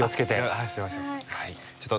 ああすいません。